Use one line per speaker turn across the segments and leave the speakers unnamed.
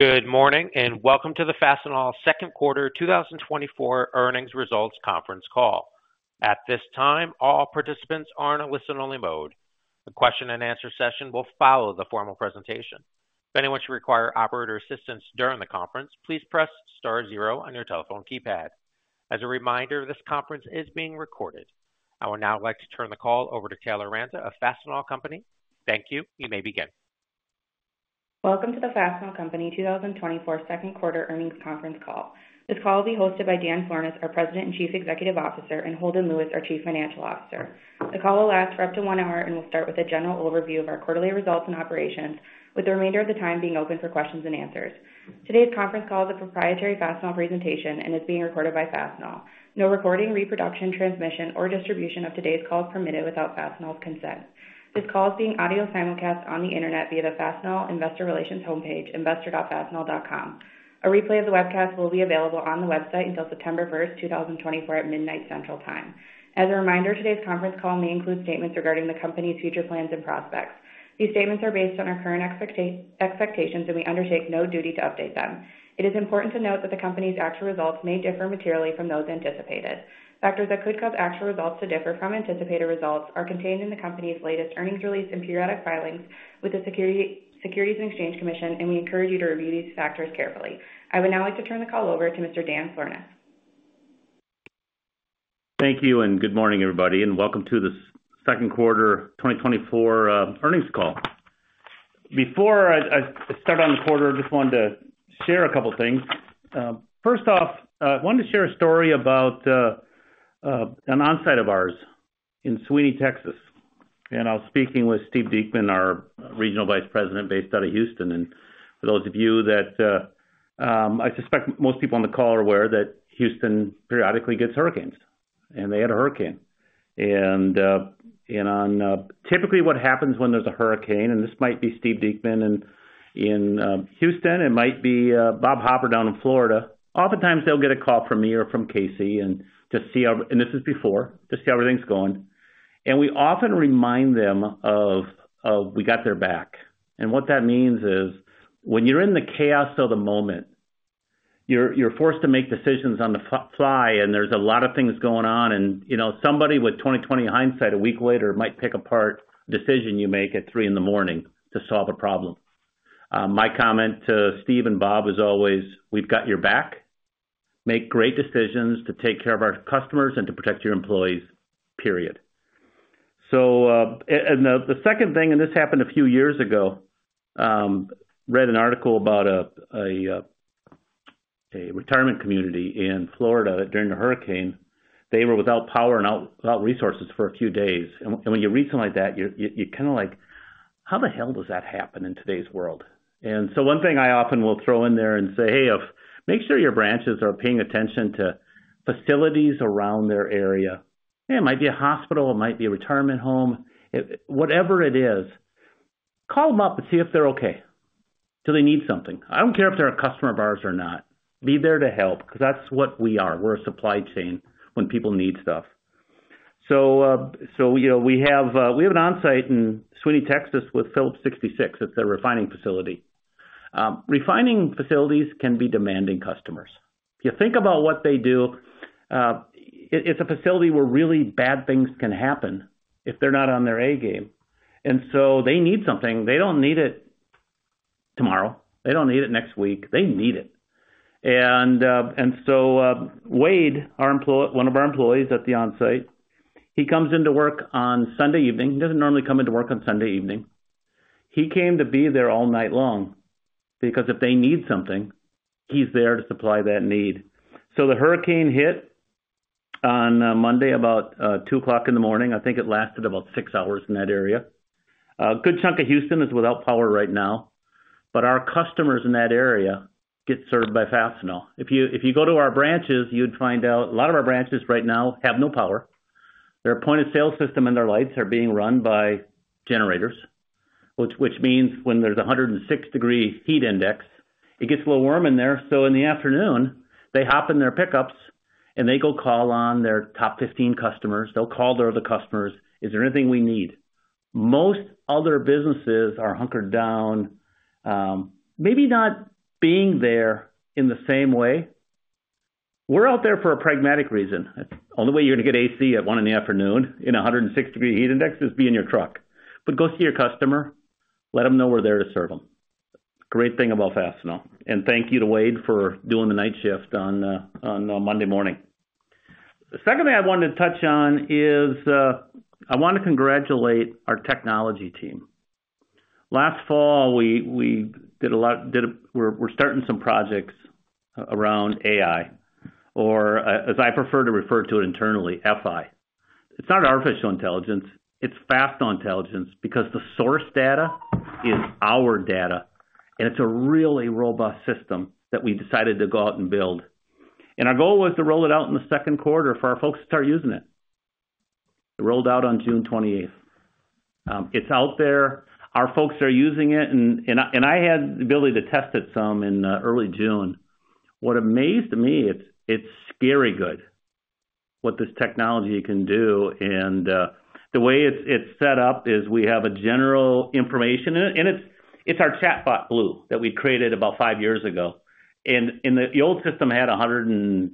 Good morning, and welcome to the Fastenal second quarter 2024 earnings results conference call. At this time, all participants are in a listen-only mode. The question and answer session will follow the formal presentation. If anyone should require operator assistance during the conference, please press star zero on your telephone keypad. As a reminder, this conference is being recorded. I would now like to turn the call over to Taylor Ranta of Fastenal Company. Thank you. You may begin.
Welcome to the Fastenal Company 2024 second quarter earnings conference call. This call will be hosted by Dan Florness, our President and Chief Executive Officer, and Holden Lewis, our Chief Financial Officer. The call will last for up to 1 hour and will start with a general overview of our quarterly results and operations, with the remainder of the time being open for questions and answers. Today's conference call is a proprietary Fastenal presentation and is being recorded by Fastenal. No recording, reproduction, transmission, or distribution of today's call is permitted without Fastenal's consent. This call is being audio simulcast on the internet via the Fastenal Investor Relations homepage, investor.fastenal.com. A replay of the webcast will be available on the website until September 1, 2024, at midnight Central Time. As a reminder, today's conference call may include statements regarding the company's future plans and prospects. These statements are based on our current expectations, and we undertake no duty to update them. It is important to note that the company's actual results may differ materially from those anticipated. Factors that could cause actual results to differ from anticipated results are contained in the company's latest earnings release and periodic filings with the Securities and Exchange Commission, and we encourage you to review these factors carefully. I would now like to turn the call over to Mr. Dan Florness.
Thank you, and good morning, everybody, and welcome to the second quarter of 2024 earnings call. Before I, I start on the quarter, I just wanted to share a couple things. First off, I wanted to share a story about an Onsite of ours in Sweeny, Texas. And I was speaking with Steve Dieckmann, our Regional Vice President, based out of Houston. And for those of you that I suspect most people on the call are aware that Houston periodically gets hurricanes, and they had a hurricane. Typically, what happens when there's a hurricane, and this might be Steve Dieckmann in Houston, it might be Bob Hopper down in Florida. Oftentimes they'll get a call from me or from Casey to see how, and this is before, to see how everything's going. We often remind them we got their back. What that means is, when you're in the chaos of the moment, you're forced to make decisions on the fly, and there's a lot of things going on, and, you know, somebody with 20/20 hindsight, a week later, might pick apart a decision you make at 3 in the morning to solve a problem. My comment to Steve and Bob is always: "We've got your back. Make great decisions to take care of our customers and to protect your employees, period." The second thing, and this happened a few years ago, read an article about a retirement community in Florida during the hurricane. They were without power and without resources for a few days. And when you read something like that, you're kinda like, "How the hell does that happen in today's world?" So one thing I often will throw in there and say, "Hey, make sure your branches are paying attention to facilities around their area. It might be a hospital, it might be a retirement home. Whatever it is, call them up and see if they're okay. Do they need something? I don't care if they're a customer of ours or not. Be there to help, because that's what we are. We're a supply chain when people need stuff." So, you know, we have an on-site in Sweeny, Texas, with Phillips 66. It's a refining facility. Refining facilities can be demanding customers. If you think about what they do, it's a facility where really bad things can happen if they're not on their A game, and so they need something. They don't need it tomorrow, they don't need it next week, they need it. And so, Wade, one of our employees at the on-site, he comes into work on Sunday evening. He doesn't normally come into work on Sunday evening. He came to be there all night long, because if they need something, he's there to supply that need. So the hurricane hit on Monday, about 2:00 A.M. I think it lasted about six hours in that area. A good chunk of Houston is without power right now, but our customers in that area get served by Fastenal. If you go to our branches, you'd find out a lot of our branches right now have no power. Their point-of-sale system and their lights are being run by generators, which means when there's a 106-degree heat index, it gets a little warm in there. So in the afternoon, they hop in their pickups, and they go call on their top 15 customers. They'll call their other customers: "Is there anything we need?" Most other businesses are hunkered down, maybe not being there in the same way. We're out there for a pragmatic reason. Only way you're gonna get AC at 1:00 P.M. in a 106-degree heat index is be in your truck. But go see your customer, let them know we're there to serve them. Great thing about Fastenal, and thank you to Wade for doing the night shift on Monday morning. The second thing I wanted to touch on is, I want to congratulate our technology team. Last fall, we're starting some projects around AI, or, as I prefer to refer to it internally, FI. It's not artificial intelligence, it's Fastenal Intelligence, because the source data is our data, and it's a really robust system that we decided to go out and build. Our goal was to roll it out in the second quarter for our folks to start using it. It rolled out on June 28th. It's out there. Our folks are using it, and I had the ability to test it some in early June. What amazed me, it's scary good. What this technology can do, and the way it's set up is we have a general information, and it's our chatbot, Blue, that we created about 5 years ago. And the old system had 130-140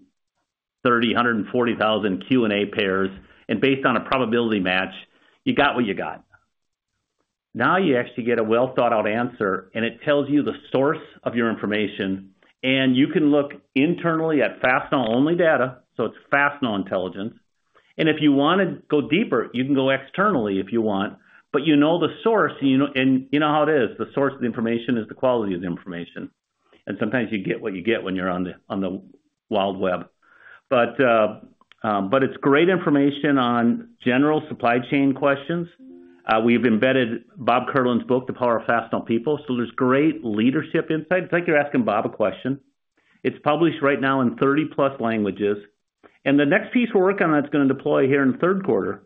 thousand Q&A pairs, and based on a probability match, you got what you got. Now you actually get a well-thought-out answer, and it tells you the source of your information, and you can look internally at Fastenal-only data, so it's Fastenal Intelligence. And if you wanna go deeper, you can go externally if you want, but you know the source. You know, and you know how it is, the source of the information is the quality of the information, and sometimes you get what you get when you're on the wild web. But it's great information on general supply chain questions. We've embedded Bob Kierlin's book, The Power of Fastenal People, so there's great leadership insight. It's like you're asking Bob a question. It's published right now in 30+ languages, and the next piece we're working on, that's gonna deploy here in the third quarter,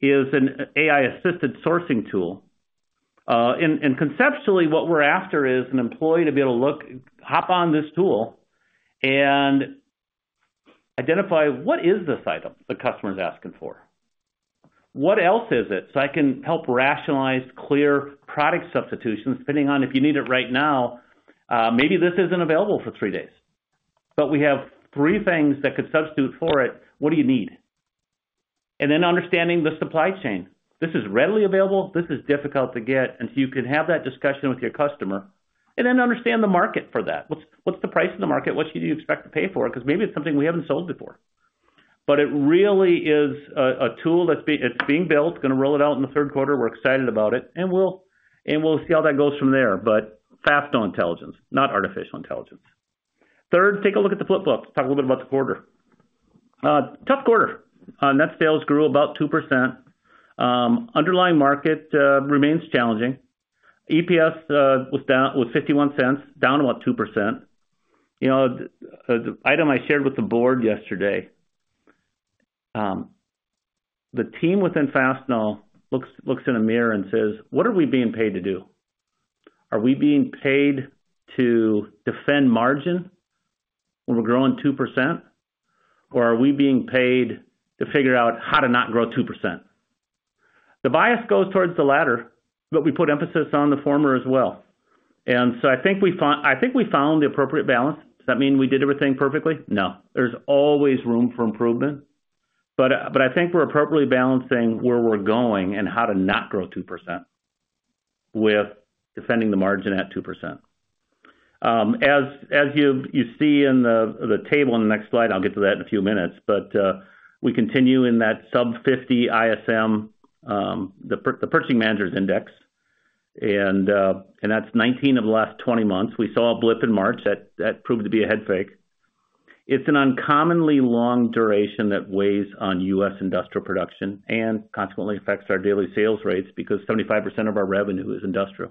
is an AI-assisted sourcing tool. Conceptually, what we're after is an employee to be able to look hop on this tool and identify, what is this item the customer is asking for? What else is it? So I can help rationalize clear product substitutions, depending on if you need it right now, maybe this isn't available for 3 days. But we have 3 things that could substitute for it. What do you need? And then understanding the supply chain. This is readily available, this is difficult to get, and so you can have that discussion with your customer, and then understand the market for that. What's the price in the market? What should you expect to pay for it? Because maybe it's something we haven't sold before. But it really is a tool that's being built, gonna roll it out in the third quarter. We're excited about it, and we'll see how that goes from there, but Fastenal Intelligence, not artificial intelligence. Third, take a look at the flip-flop. Talk a little bit about the quarter. Tough quarter. Net sales grew about 2%. Underlying market remains challenging. EPS was $0.51, down about 2%. You know, the item I shared with the board yesterday, the team within Fastenal looks in a mirror and says, "What are we being paid to do? Are we being paid to defend margin when we're growing 2%? Or are we being paid to figure out how to not grow 2%?" The bias goes towards the latter, but we put emphasis on the former as well. And so I think we found the appropriate balance. Does that mean we did everything perfectly? No. There's always room for improvement, but I think we're appropriately balancing where we're going and how to not grow 2% with defending the margin at 2%. As you see in the table in the next slide, I'll get to that in a few minutes, but we continue in that sub-50 ISM, the Purchasing Managers Index, and that's 19 of the last 20 months. We saw a blip in March. That proved to be a head fake. It's an uncommonly long duration that weighs on U.S. industrial production and consequently affects our daily sales rates because 75% of our revenue is industrial.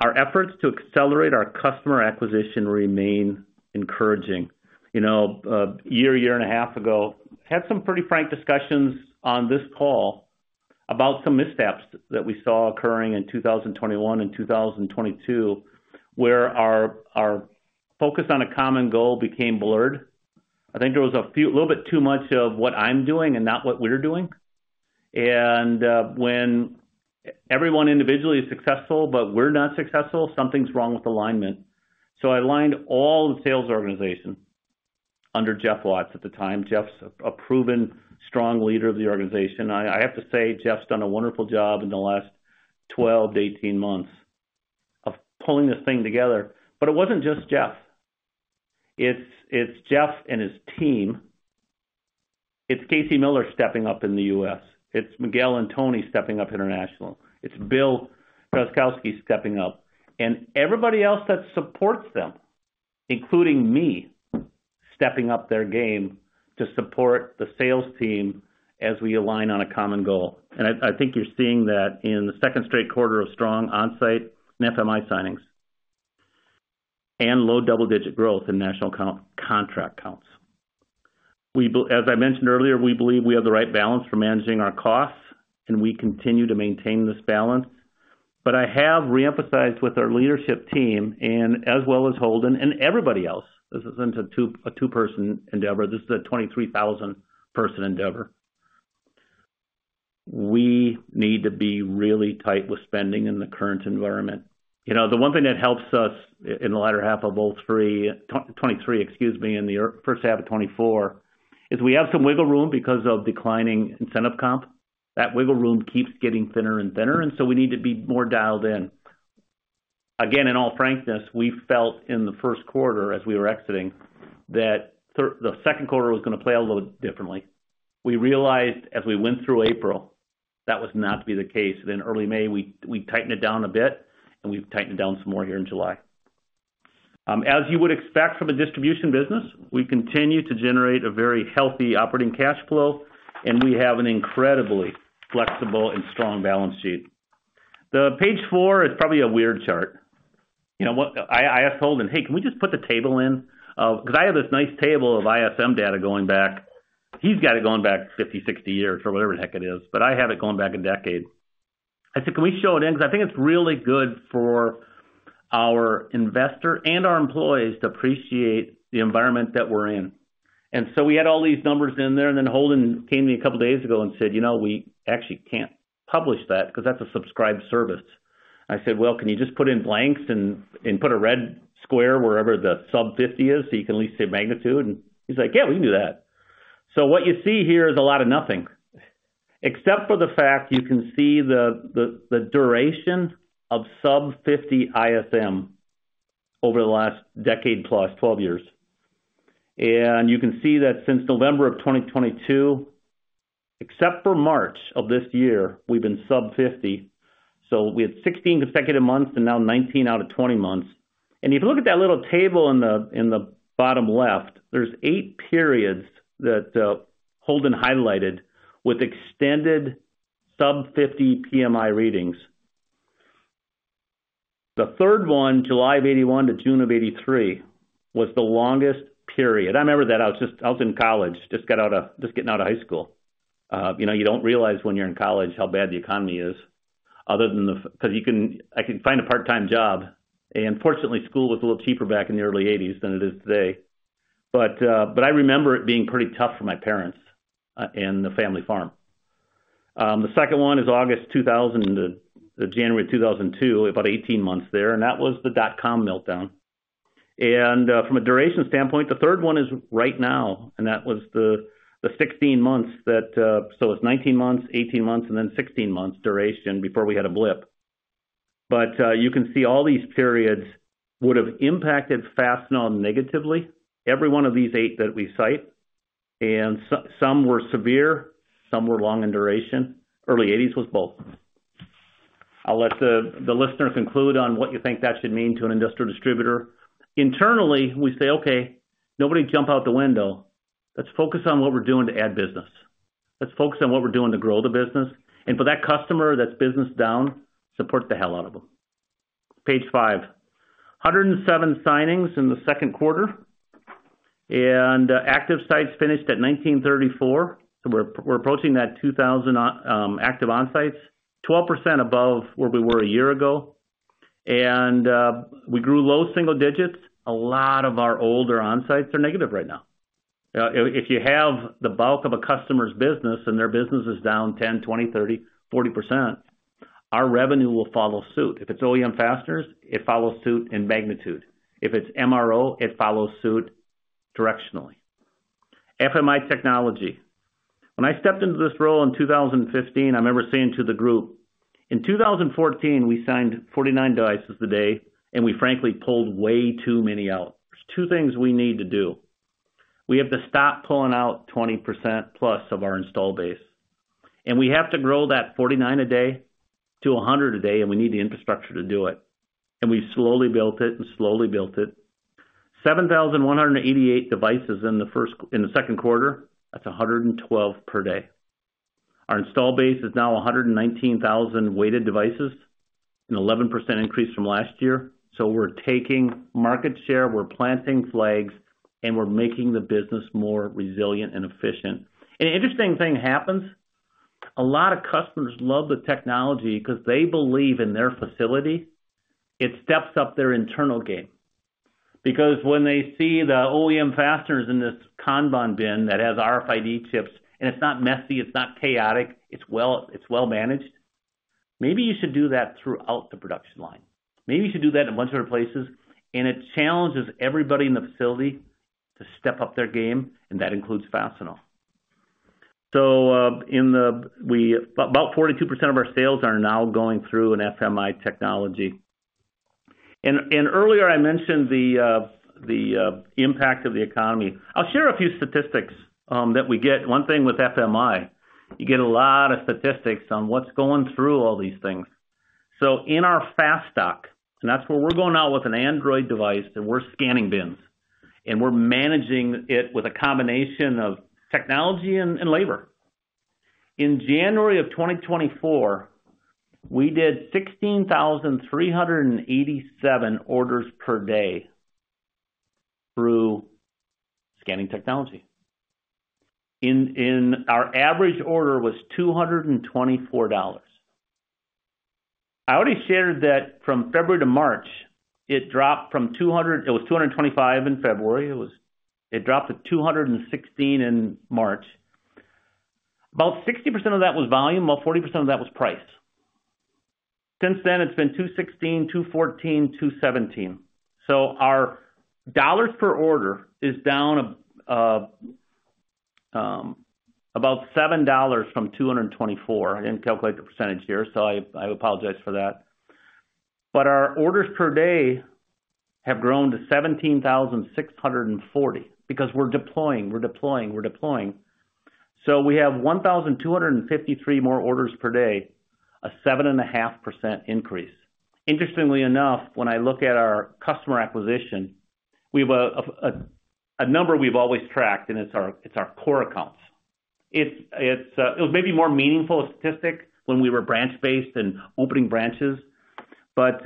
Our efforts to accelerate our customer acquisition remain encouraging. You know, a year and a half ago, had some pretty frank discussions on this call about some missteps that we saw occurring in 2021 and 2022, where our focus on a common goal became blurred. I think there was a little bit too much of what I'm doing and not what we're doing. And, when everyone individually is successful, but we're not successful, something's wrong with alignment. So I aligned all the sales organizations under Jeff Watts at the time. Jeff's a proven, strong leader of the organization. I, I have to say, Jeff's done a wonderful job in the last 12-18 months of pulling this thing together. But it wasn't just Jeff. It's, it's Jeff and his team. It's Casey Miller stepping up in the U.S. It's Miguel and Tony stepping up international. It's Bill Drazkowski stepping up and everybody else that supports them, including me, stepping up their game to support the sales team as we align on a common goal. I think you're seeing that in the second straight quarter of strong Onsite FMI signings and low double-digit growth in national contract counts. As I mentioned earlier, we believe we have the right balance for managing our costs, and we continue to maintain this balance. But I have re-emphasized with our leadership team, as well as Holden and everybody else, this isn't a two-person endeavor. This is a 23,000-person endeavor. We need to be really tight with spending in the current environment. You know, the one thing that helps us in the latter half of 2023, excuse me, in the first half of 2024, is we have some wiggle room because of declining incentive comp. That wiggle room keeps getting thinner and thinner, and so we need to be more dialed in. Again, in all frankness, we felt in the first quarter, as we were exiting, that the second quarter was gonna play a little differently. We realized, as we went through April, that was not to be the case. Then early May, we tightened it down a bit, and we've tightened it down some more here in July. As you would expect from a distribution business, we continue to generate a very healthy operating cash flow, and we have an incredibly flexible and strong balance sheet. The page four is probably a weird chart. You know what? I asked Holden, "Hey, can we just put the table in? Because I have this nice table of ISM data going back..." He's got it going back 50, 60 years or whatever the heck it is, but I have it going back a decade.... I said, "Can we show it in?" Because I think it's really good for our investor and our employees to appreciate the environment that we're in. And so we had all these numbers in there, and then Holden came to me a couple of days ago and said, "You know, we actually can't publish that because that's a subscribed service." I said, "Well, can you just put in blanks and put a red square wherever the sub 50 is, so you can at least say magnitude?" And he's like, yeah, we can do that. So what you see here is a lot of nothing, except for the fact you can see the duration of sub 50 ISM over the last decade, plus 12 years. And you can see that since November of 2022, except for March of this year, we've been sub 50. So we had 16 consecutive months and now 19 out of 20 months. And if you look at that little table in the bottom left, there's 8 periods that Holden highlighted with extended sub-50 PMI readings. The third one, July of 1981 to June of 1983, was the longest period. I remember that. I was in college. Just getting out of high school. You know, you don't realize when you're in college how bad the economy is, other than the fact that 'cause you could find a part-time job, and fortunately, school was a little cheaper back in the early 1980s than it is today. But I remember it being pretty tough for my parents and the family farm. The second one is August 2000 to January 2002, about 18 months there, and that was the dotcom meltdown. And, from a duration standpoint, the third one is right now, and that was the sixteen months that. So it's 19 months, 18 months, and then 16 months duration before we had a blip. But, you can see all these periods would have impacted Fastenal negatively, every one of these eight that we cite, and so some were severe, some were long in duration. Early 1980s was both. I'll let the listener conclude on what you think that should mean to an industrial distributor. Internally, we say, "Okay, nobody jump out the window. Let's focus on what we're doing to add business. Let's focus on what we're doing to grow the business, and for that customer, that's business down, support the hell out of them. Page five, 107 signings in the second quarter, and active sites finished at 1,934. So we're approaching that 2,000 on active on-sites, 12% above where we were a year ago. And we grew low single digits. A lot of our older on-sites are negative right now. If you have the bulk of a customer's business and their business is down 10%, 20%, 30%, 40%, our revenue will follow suit. If it's OEM fasteners, it follows suit in magnitude. If it's MRO, it follows suit directionally. FMI technology. When I stepped into this role in 2015, I remember saying to the group, "In 2014, we signed 49 devices a day, and we frankly pulled way too many out. There's two things we need to do. We have to stop pulling out 20% plus of our installed base, and we have to grow that 49 a day to 100 a day, and we need the infrastructure to do it." And we slowly built it and slowly built it. 7,188 devices in the second quarter. That's 112 per day. Our installed base is now 119,000 weighted devices, an 11% increase from last year. So we're taking market share, we're planting flags, and we're making the business more resilient and efficient. An interesting thing happens, a lot of customers love the technology 'cause they believe in their facility, it steps up their internal game. Because when they see the OEM fasteners in this Kanban bin that has RFID chips, and it's not messy, it's not chaotic, it's well, it's well-managed, maybe you should do that throughout the production line. Maybe you should do that in a bunch of other places, and it challenges everybody in the facility to step up their game, and that includes Fastenal. So, about 42% of our sales are now going through an FMI technology. And earlier, I mentioned the impact of the economy. I'll share a few statistics that we get. One thing with FMI, you get a lot of statistics on what's going through all these things. So in our FASTStock, and that's where we're going out with an Android device, and we're scanning bins, and we're managing it with a combination of technology and labor. In January of 2024, we did 16,387 orders per day through scanning technology. Our average order was $224. I already shared that from February to March, it dropped from two hundred... It was 225 in February. It dropped to 216 in March. About 60% of that was volume, about 40% of that was price. Since then, it's been 216, 214, 217. So our dollars per order is down about $7 from 224. I didn't calculate the percentage here, so I apologize for that. But our orders per day have grown to 17,640 because we're deploying, we're deploying, we're deploying. So we have 1,253 more orders per day, a 7.5% increase. Interestingly enough, when I look at our customer acquisition, we have a number we've always tracked, and it's our core accounts. It's it was maybe more meaningful a statistic when we were branch-based and opening branches. But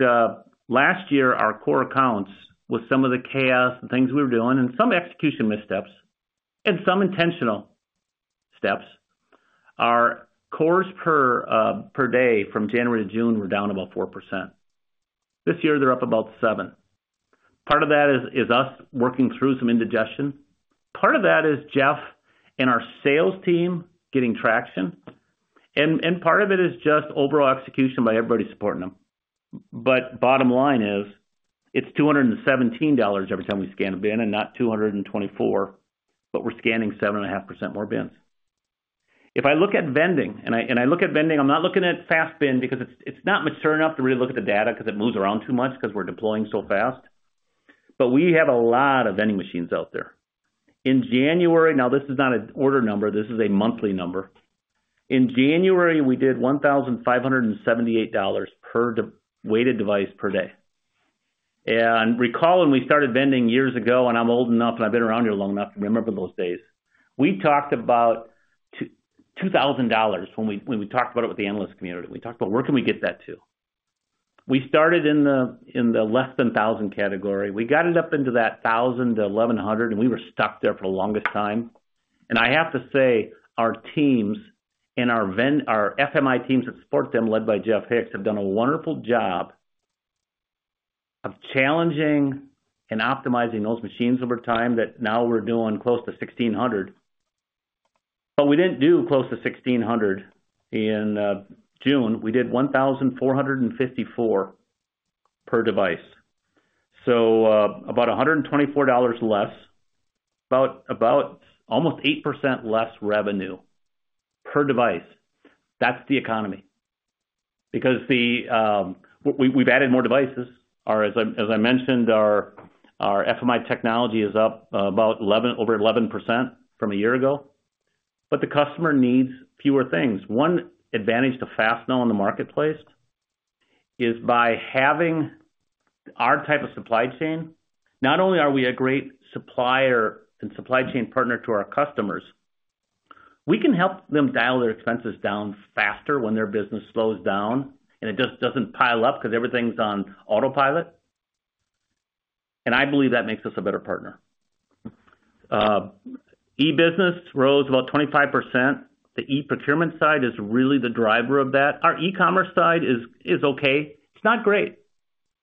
last year, our core accounts, with some of the chaos and things we were doing and some execution missteps and some intentional steps, our cores per day from January to June were down about 4%. This year, they're up about 7%. Part of that is us working through some indigestion. Part of that is Jeff and our sales team getting traction, and, and part of it is just overall execution by everybody supporting them. But bottom line is, it's $217 every time we scan a bin, and not $224, but we're scanning 7.5% more bins. If I look at vending, and I, and I look at vending, I'm not looking at FASTBin because it's, it's not mature enough to really look at the data because it moves around too much, because we're deploying so fast. But we have a lot of vending machines out there. In January... Now, this is not an order number, this is a monthly number. In January, we did $1,578 per device-weighted device per day. Recall, when we started vending years ago, and I'm old enough, and I've been around here long enough to remember those days, we talked about $2,000 when we, when we talked about it with the analyst community. We talked about where can we get that to? We started in the, in the less than $1,000 category. We got it up into that $1,000-$1,100, and we were stuck there for the longest time. And I have to say, our teams and our FMI teams that support them, led by Jeff Hicks, have done a wonderful job of challenging and optimizing those machines over time, that now we're doing close to $1,600. But we didn't do close to $1,600 in June. We did $1,454 per device. So, about $124 less, about almost 8% less revenue per device. That's the economy. Because we've added more devices. Our, as I mentioned, our FMI technology is up about 11, over 11% from a year ago, but the customer needs fewer things. One advantage to Fastenal in the marketplace is by having our type of supply chain, not only are we a great supplier and supply chain partner to our customers, we can help them dial their expenses down faster when their business slows down, and it just doesn't pile up because everything's on autopilot. And I believe that makes us a better partner. E-business rose about 25%. The e-procurement side is really the driver of that. Our e-commerce side is okay. It's not great,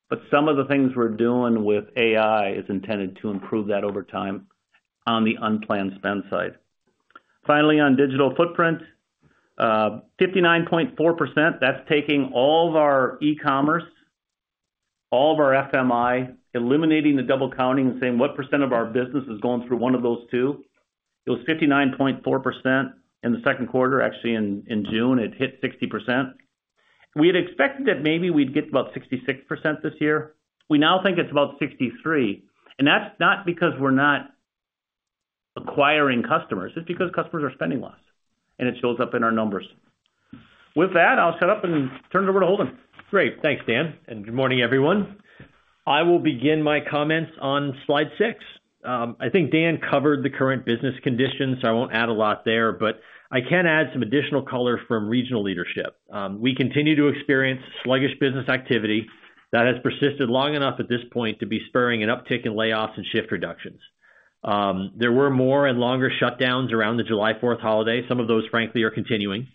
but some of the things we're doing with AI is intended to improve that over time on the unplanned spend side. Finally, on digital footprint, 59.4%, that's taking all of our e-commerce, all of our FMI, eliminating the double counting and saying, what percent of our business is going through one of those two? It was 59.4% in the second quarter. Actually, in June, it hit 60%. We had expected that maybe we'd get about 66% this year. We now think it's about 63%, and that's not because we're not acquiring customers, it's because customers are spending less, and it shows up in our numbers. With that, I'll shut up and turn it over to Holden.
Great. Thanks, Dan, and good morning, everyone. I will begin my comments on slide 6. I think Dan covered the current business conditions, so I won't add a lot there, but I can add some additional color from regional leadership. We continue to experience sluggish business activity that has persisted long enough at this point to be spurring an uptick in layoffs and shift reductions. There were more and longer shutdowns around the July 4th holiday. Some of those, frankly, are continuing.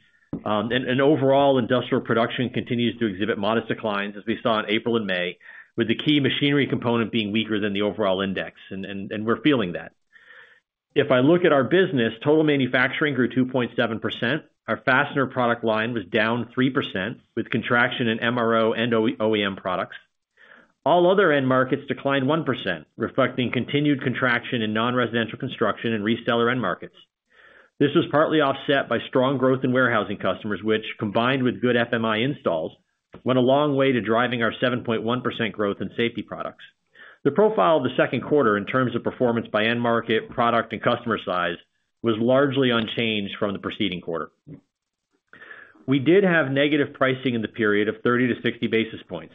And overall, industrial production continues to exhibit modest declines, as we saw in April and May, with the key machinery component being weaker than the overall index, and we're feeling that. If I look at our business, total manufacturing grew 2.7%. Our fastener product line was down 3%, with contraction in MRO and OEM products. All other end markets declined 1%, reflecting continued contraction in non-residential construction and reseller end markets. This was partly offset by strong growth in warehousing customers, which, combined with good FMI installs, went a long way to driving our 7.1% growth in safety products. The profile of the second quarter, in terms of performance by end market, product, and customer size, was largely unchanged from the preceding quarter. We did have negative pricing in the period of 30-60 basis points.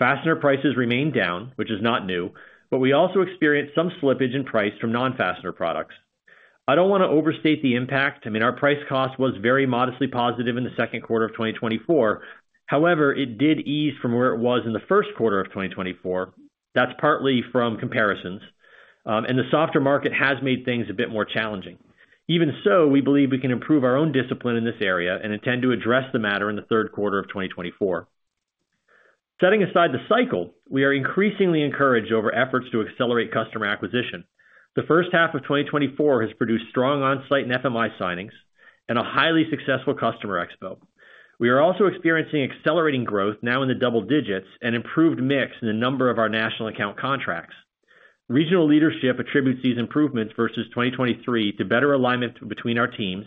Fastener prices remained down, which is not new, but we also experienced some slippage in price from non-fastener products. I don't wanna overstate the impact. I mean, our price cost was very modestly positive in the second quarter of 2024. However, it did ease from where it was in the first quarter of 2024. That's partly from comparisons. And the softer market has made things a bit more challenging. Even so, we believe we can improve our own discipline in this area and intend to address the matter in the third quarter of 2024. Setting aside the cycle, we are increasingly encouraged over efforts to accelerate customer acquisition. The first half of 2024 has produced strong Onsite and FMI signings and a highly successful customer expo. We are also experiencing accelerating growth now in the double digits and improved mix in a number of our national account contracts. Regional leadership attributes these improvements versus 2023 to better alignment between our teams,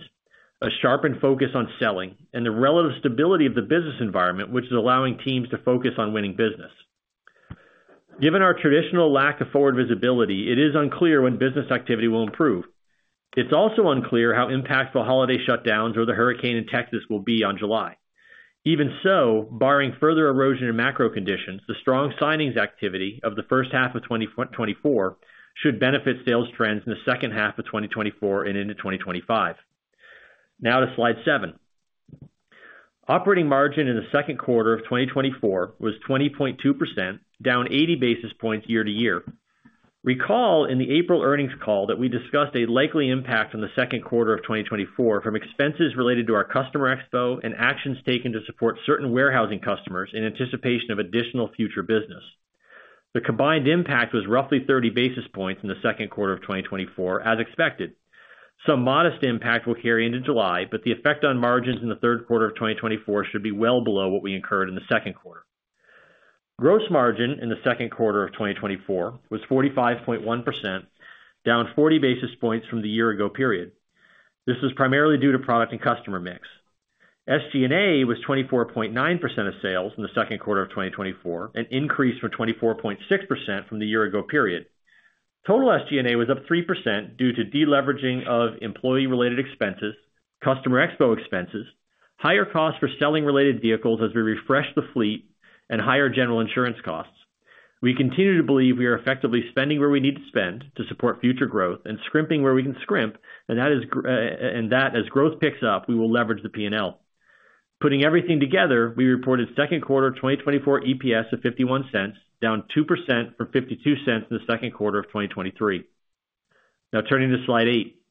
a sharpened focus on selling, and the relative stability of the business environment, which is allowing teams to focus on winning business. Given our traditional lack of forward visibility, it is unclear when business activity will improve. It's also unclear how impactful holiday shutdowns or the hurricane in Texas will be on July. Even so, barring further erosion in macro conditions, the strong signings activity of the first half of 2024 should benefit sales trends in the second half of 2024 and into 2025. Now to Slide 7. Operating margin in the second quarter of 2024 was 20.2%, down 80 basis points year-over-year. Recall, in the April earnings call that we discussed a likely impact on the second quarter of 2024 from expenses related to our customer expo and actions taken to support certain warehousing customers in anticipation of additional future business. The combined impact was roughly 30 basis points in the second quarter of 2024, as expected. Some modest impact will carry into July, but the effect on margins in the third quarter of 2024 should be well below what we incurred in the second quarter. Gross margin in the second quarter of 2024 was 45.1%, down 40 basis points from the year ago period. This was primarily due to product and customer mix. SG&A was 24.9% of sales in the second quarter of 2024, an increase from 24.6% from the year ago period. Total SG&A was up 3% due to deleveraging of employee-related expenses, customer expo expenses, higher costs for selling related vehicles as we refresh the fleet, and higher general insurance costs. We continue to believe we are effectively spending where we need to spend to support future growth and scrimping where we can scrimp, and that as growth picks up, we will leverage the P&L. Putting everything together, we reported second quarter 2024 EPS of $0.51, down 2% from $0.52 in the second quarter of 2023. Now, turning to Slide 8.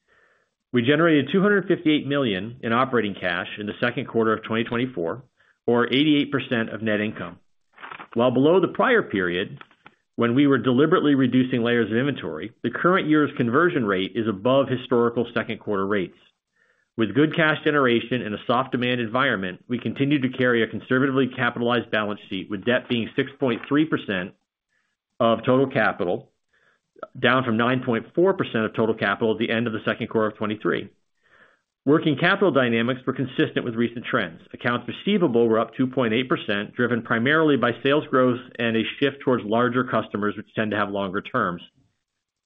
We generated $258 million in operating cash in the second quarter of 2024, or 88% of net income. While below the prior period, when we were deliberately reducing layers of inventory, the current year's conversion rate is above historical second quarter rates. With good cash generation in a soft demand environment, we continue to carry a conservatively capitalized balance sheet, with debt being 6.3% of total capital, down from 9.4% of total capital at the end of the second quarter of 2023. Working capital dynamics were consistent with recent trends. Accounts receivable were up 2.8%, driven primarily by sales growth and a shift towards larger customers, which tend to have longer terms.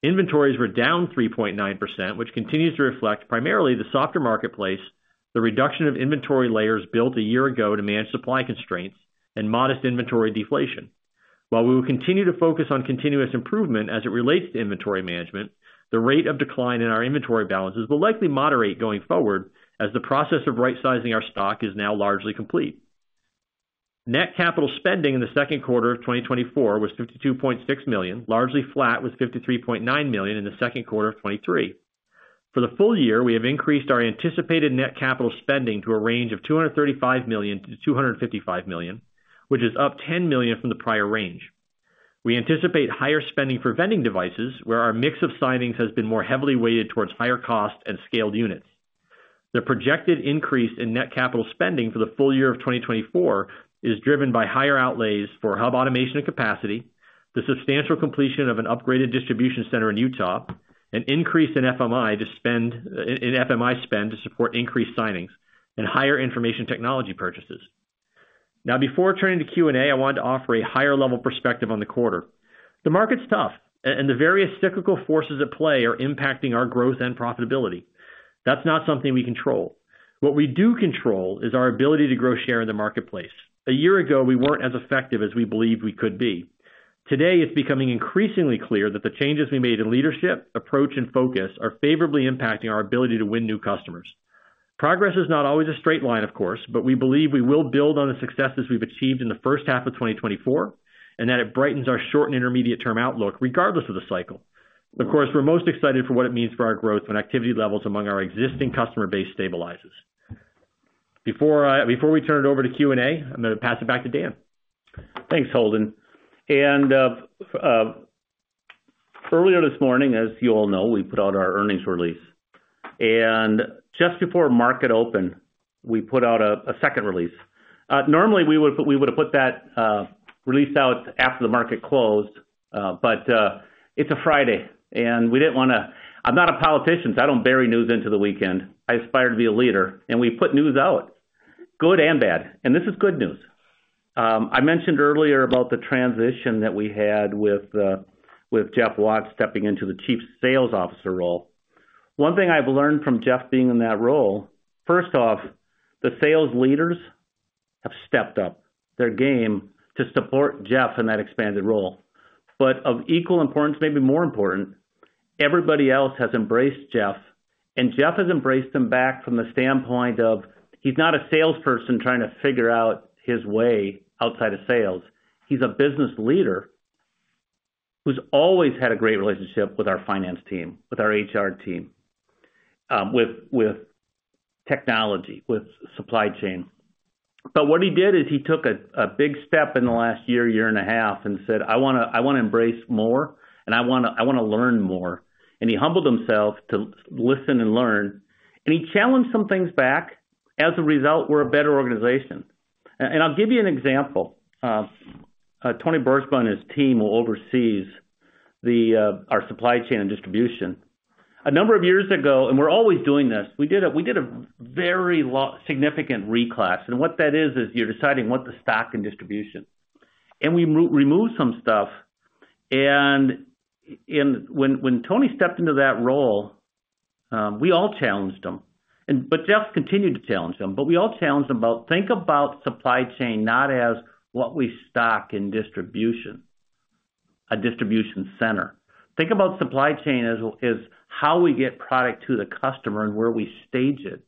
Inventories were down 3.9%, which continues to reflect primarily the softer marketplace, the reduction of inventory layers built a year ago to manage supply constraints, and modest inventory deflation. While we will continue to focus on continuous improvement as it relates to inventory management, the rate of decline in our inventory balances will likely moderate going forward, as the process of rightsizing our stock is now largely complete. Net capital spending in the second quarter of 2024 was $52.6 million, largely flat, with $53.9 million in the second quarter of 2023. For the full year, we have increased our anticipated net capital spending to a range of $235 million-$255 million, which is up $10 million from the prior range. We anticipate higher spending for vending devices, where our mix of signings has been more heavily weighted towards higher cost and scaled units. The projected increase in net capital spending for the full year of 2024 is driven by higher outlays for hub automation and capacity, the substantial completion of an upgraded distribution center in Utah, an increase in FMI spend to support increased signings, and higher information technology purchases. Now, before turning to Q&A, I wanted to offer a higher level perspective on the quarter. The market's tough, and the various cyclical forces at play are impacting our growth and profitability. That's not something we control. What we do control is our ability to grow share in the marketplace. A year ago, we weren't as effective as we believed we could be. Today, it's becoming increasingly clear that the changes we made in leadership, approach, and focus are favorably impacting our ability to win new customers. Progress is not always a straight line, of course, but we believe we will build on the successes we've achieved in the first half of 2024, and that it brightens our short- and intermediate-term outlook, regardless of the cycle. Of course, we're most excited for what it means for our growth and activity levels among our existing customer base stabilizes. Before we turn it over to Q&A, I'm gonna pass it back to Dan.
Thanks, Holden. And earlier this morning, as you all know, we put out our earnings release. And just before market open, we put out a second release. Normally, we would have put that release out after the market closed, but it's a Friday, and we didn't wanna... I'm not a politician, so I don't bury news into the weekend. I aspire to be a leader, and we put news out, good and bad, and this is good news. I mentioned earlier about the transition that we had with Jeff Watts stepping into the chief sales officer role. One thing I've learned from Jeff being in that role, first off, the sales leaders have stepped up their game to support Jeff in that expanded role. But of equal importance, maybe more important, everybody else has embraced Jeff, and Jeff has embraced them back from the standpoint of he's not a salesperson trying to figure out his way outside of sales. He's a business leader who's always had a great relationship with our finance team, with our HR team, with technology, with supply chain. But what he did is he took a big step in the last year and a half, and said, "I wanna embrace more, and I wanna learn more." And he humbled himself to listen and learn, and he challenged some things back. As a result, we're a better organization. And I'll give you an example. Tony Broersma and his team will oversees our supply chain and distribution. A number of years ago, and we're always doing this, we did a very significant reclass, and what that is is you're deciding what to stock in distribution. We removed some stuff, and when Tony stepped into that role, we all challenged him, but Jeff continued to challenge him, but we all challenged him about think about supply chain, not as what we stock in distribution, a distribution center. Think about supply chain as how we get product to the customer and where we stage it,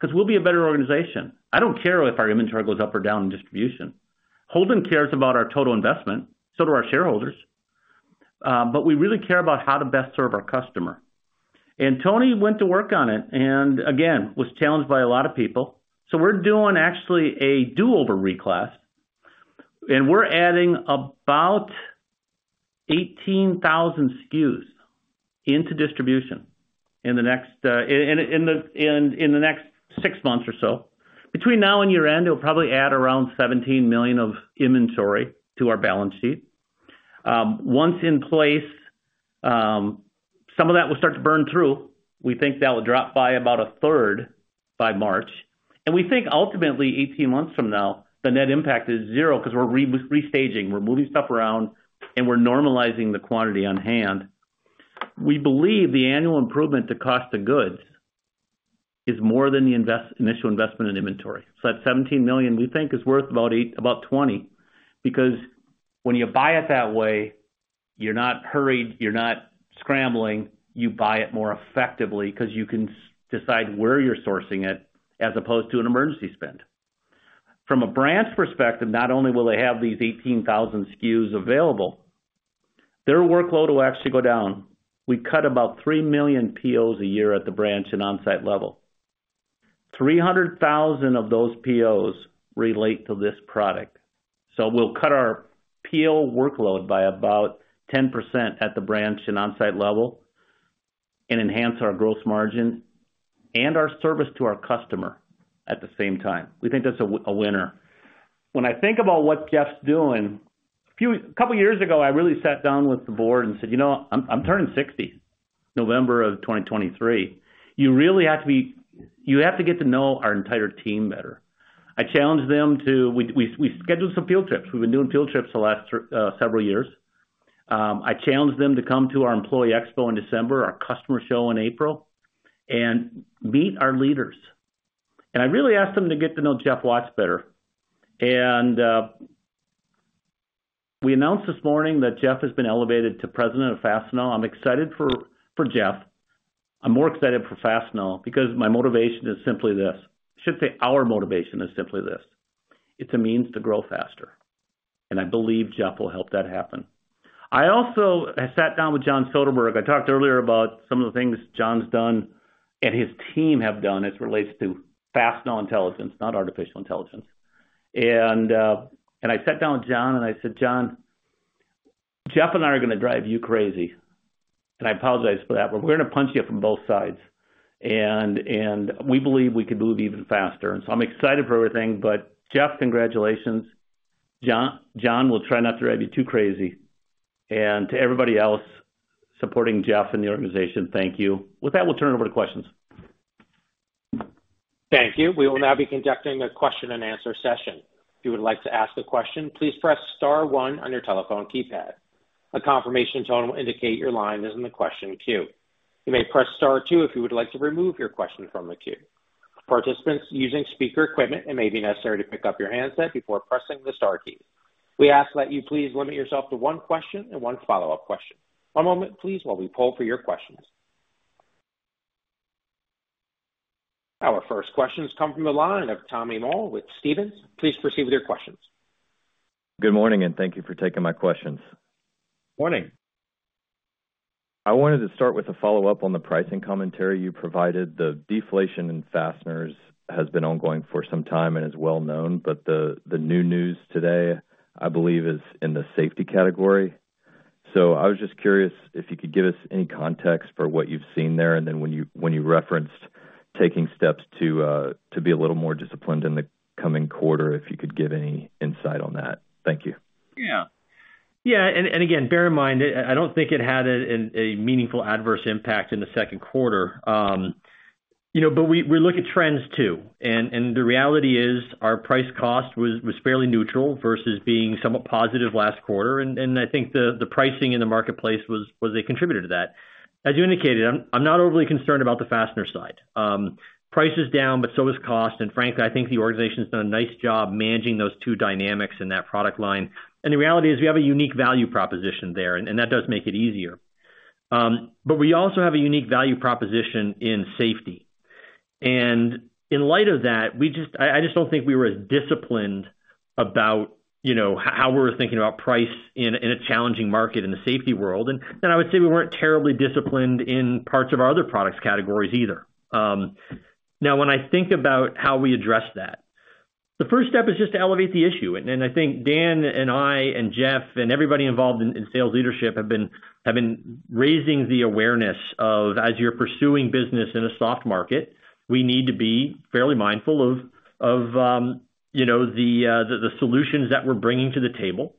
because we'll be a better organization. I don't care if our inventory goes up or down in distribution. Holden cares about our total investment, so do our shareholders, but we really care about how to best serve our customer. And Tony went to work on it, and again, was challenged by a lot of people. So we're doing actually a do-over reclass, and we're adding about 18,000 SKUs into distribution in the next six months or so. Between now and year-end, it'll probably add around $17 million of inventory to our balance sheet. Once in place, some of that will start to burn through. We think that will drop by about a third by March, and we think ultimately, 18 months from now, the net impact is zero, 'cause we're restaging, we're moving stuff around, and we're normalizing the quantity on hand. We believe the annual improvement to cost of goods is more than the initial investment in inventory. So that $17 million, we think, is worth about $20, because when you buy it that way, you're not hurried, you're not scrambling. You buy it more effectively 'cause you can decide where you're sourcing it, as opposed to an emergency spend. From a branch perspective, not only will they have these 18,000 SKUs available, their workload will actually go down. We cut about 3 million POs a year at the branch and on-site level. 300,000 of those POs relate to this product. So we'll cut our PO workload by about 10% at the branch and on-site level, and enhance our gross margin and our service to our customer at the same time. We think that's a winner. When I think about what Jeff's doing, a couple years ago, I really sat down with the board and said, "You know, I'm turning 60 November of 2023. You really have to be... You have to get to know our entire team better." I challenged them to... We scheduled some field trips. We've been doing field trips the last several years. I challenged them to come to our employee expo in December, our customer show in April, and meet our leaders. And I really asked them to get to know Jeff Watts better. And we announced this morning that Jeff has been elevated to President of Fastenal. I'm excited for Jeff. I'm more excited for Fastenal because my motivation is simply this: I should say, our motivation is simply this, it's a means to grow faster, and I believe Jeff will help that happen. I also, I sat down with John Soderberg. I talked earlier about some of the things John's done and his team have done as it relates to Fastenal Intelligence, not artificial intelligence. And, and I sat down with John and I said, "John, Jeff and I are gonna drive you crazy, and I apologize for that, but we're gonna punch you from both sides, and, and we believe we could move even faster." And so I'm excited for everything, but Jeff, congratulations. John, John, we'll try not to drive you too crazy. And to everybody else supporting Jeff and the organization, thank you. With that, we'll turn it over to questions.
Thank you. We will now be conducting a question-and-answer session. If you would like to ask a question, please press star one on your telephone keypad. A confirmation tone will indicate your line is in the question queue. You may press star two if you would like to remove your question from the queue. Participants using speaker equipment, it may be necessary to pick up your handset before pressing the star key. We ask that you please limit yourself to one question and one follow-up question. One moment, please, while we poll for your questions. Our first questions come from the line of Tommy Moll with Stephens. Please proceed with your questions.
Good morning, and thank you for taking my questions.
Morning!
I wanted to start with a follow-up on the pricing commentary you provided. The deflation in fasteners has been ongoing for some time and is well known, but the new news today, I believe, is in the safety category. So I was just curious if you could give us any context for what you've seen there, and then when you referenced taking steps to be a little more disciplined in the coming quarter, if you could give any insight on that. Thank you.
Yeah. Yeah, and again, bear in mind, I don't think it had a meaningful adverse impact in the second quarter. You know, but we look at trends, too, and the reality is our price cost was fairly neutral versus being somewhat positive last quarter, and I think the pricing in the marketplace was a contributor to that. As you indicated, I'm not overly concerned about the fastener side. Price is down, but so is cost, and frankly, I think the organization's done a nice job managing those two dynamics in that product line. And the reality is, we have a unique value proposition there, and that does make it easier. But we also have a unique value proposition in safety. And in light of that, we just... I just don't think we were as disciplined about, you know, how we were thinking about price in a challenging market in the safety world. I would say we weren't terribly disciplined in parts of our other products categories either. Now, when I think about how we address that, the first step is just to elevate the issue, and I think Dan and I and Jeff and everybody involved in sales leadership have been raising the awareness of, as you're pursuing business in a soft market, we need to be fairly mindful of, you know, the solutions that we're bringing to the table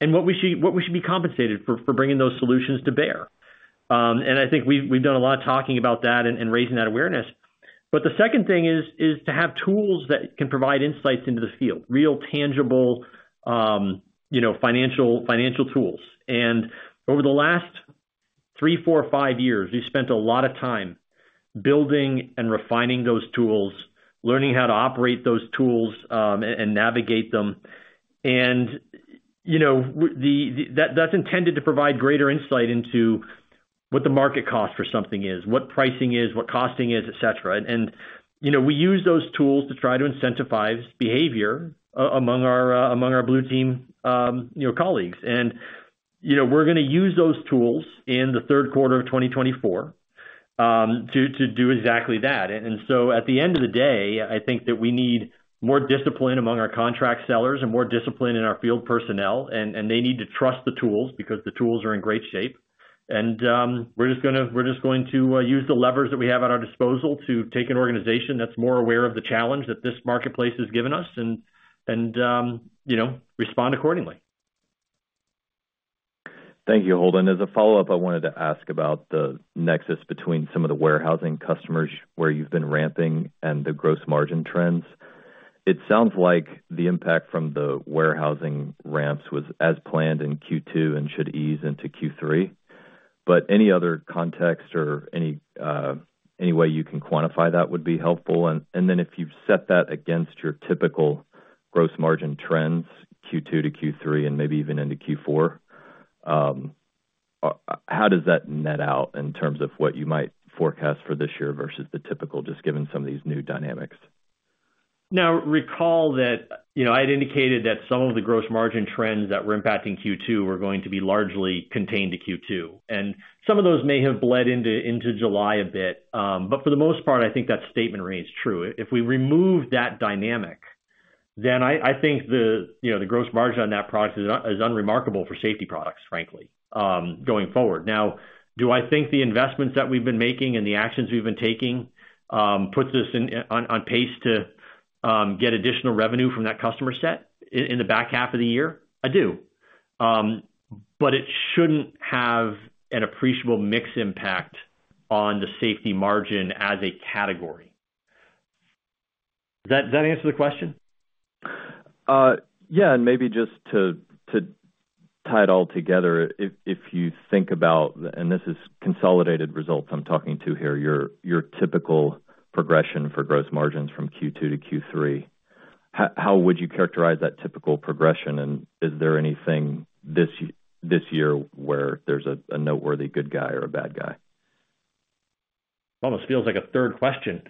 and what we should be compensated for bringing those solutions to bear. And I think we've done a lot of talking about that and raising that awareness. But the second thing is to have tools that can provide insights into the field, real, tangible, you know, financial tools. And over the last... three, four, five years, we've spent a lot of time building and refining those tools, learning how to operate those tools, and navigate them. And, you know, that's intended to provide greater insight into what the market cost for something is, what pricing is, what costing is, et cetera. And, you know, we use those tools to try to incentivize behavior among our Blue Team, you know, colleagues. And, you know, we're gonna use those tools in the third quarter of 2024 to do exactly that. And so at the end of the day, I think that we need more discipline among our contract sellers and more discipline in our field personnel, and they need to trust the tools, because the tools are in great shape. We're just going to use the levers that we have at our disposal to take an organization that's more aware of the challenge that this marketplace has given us and, you know, respond accordingly.
Thank you, Holden. As a follow-up, I wanted to ask about the nexus between some of the warehousing customers, where you've been ramping and the gross margin trends. It sounds like the impact from the warehousing ramps was as planned in Q2 and should ease into Q3, but any other context or any way you can quantify that would be helpful. And then if you've set that against your typical gross margin trends, Q2 to Q3, and maybe even into Q4, how does that net out in terms of what you might forecast for this year versus the typical, just given some of these new dynamics?
Now, recall that, you know, I had indicated that some of the gross margin trends that were impacting Q2 were going to be largely contained to Q2, and some of those may have bled into July a bit. But for the most part, I think that statement remains true. If we remove that dynamic, then I think the, you know, the gross margin on that product is unremarkable for safety products, frankly, going forward. Now, do I think the investments that we've been making and the actions we've been taking puts us on pace to get additional revenue from that customer set in the back half of the year? I do. But it shouldn't have an appreciable mix impact on the safety margin as a category. Does that answer the question?
Yeah, and maybe just to tie it all together, if you think about, and this is consolidated results I'm talking about here, your typical progression for gross margins from Q2 to Q3, how would you characterize that typical progression? And is there anything this year where there's a noteworthy good guy or a bad guy?
Almost feels like a third question. I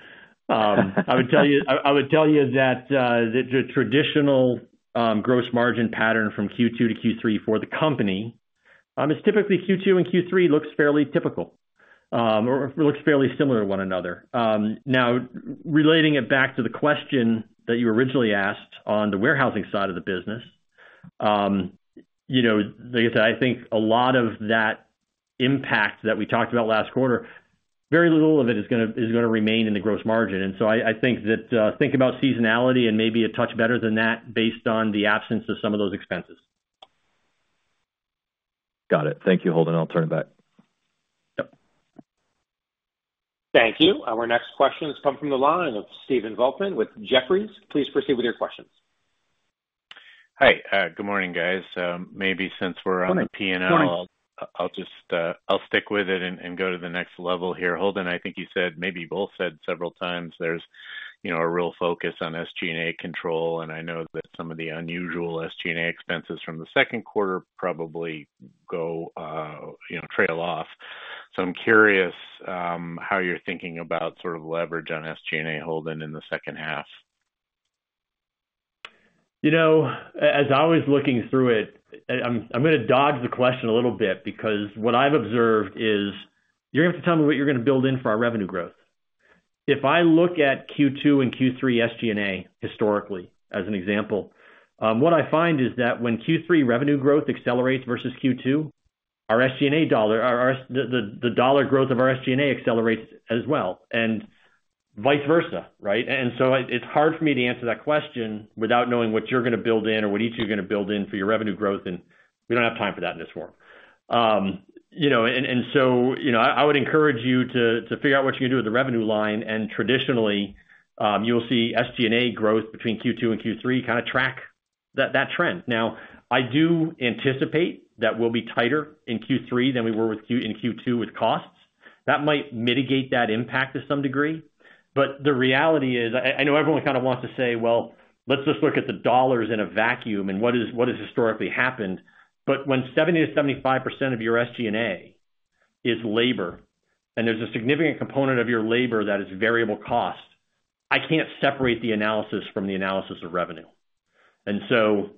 would tell you, I would tell you that the traditional gross margin pattern from Q2 to Q3 for the company is typically Q2 and Q3 looks fairly typical or looks fairly similar to one another. Now relating it back to the question that you originally asked on the warehousing side of the business, you know, like I said, I think a lot of that impact that we talked about last quarter, very little of it is gonna remain in the gross margin. And so I think that think about seasonality and maybe a touch better than that, based on the absence of some of those expenses.
Got it. Thank you, Holden. I'll turn it back. Yep.
Thank you. Our next question has come from the line of Stephen Volkmann with Jefferies. Please proceed with your questions.
Hi. Good morning, guys. Maybe since we're on the P&L-
Good morning.
I'll just stick with it and go to the next level here. Holden, I think you said, maybe you both said several times, there's, you know, a real focus on SG&A control, and I know that some of the unusual SG&A expenses from the second quarter probably go, you know, trail off. So I'm curious, how you're thinking about sort of leverage on SG&A, Holden, in the second half.
You know, as I was looking through it, I'm gonna dodge the question a little bit, because what I've observed is, you're gonna have to tell me what you're gonna build in for our revenue growth. If I look at Q2 and Q3 SG&A, historically, as an example, what I find is that when Q3 revenue growth accelerates versus Q2, our SG&A dollar, the dollar growth of our SG&A accelerates as well, and vice versa, right? And so it, it's hard for me to answer that question without knowing what you're gonna build in or what each of you are gonna build in for your revenue growth, and we don't have time for that in this forum. You know, and so, you know, I would encourage you to figure out what you're gonna do with the revenue line, and traditionally, you'll see SG&A growth between Q2 and Q3 kind of track that trend. Now, I do anticipate that we'll be tighter in Q3 than we were in Q2 with costs. That might mitigate that impact to some degree, but the reality is, I know everyone kind of wants to say, "Well, let's just look at the dollars in a vacuum and what has historically happened," but when 70%-75% of your SG&A is labor, and there's a significant component of your labor that is variable cost, I can't separate the analysis from the analysis of revenue. So,